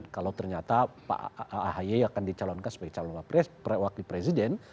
kalau ternyata pak ahi akan dicalonkan sebagai calon wakil presiden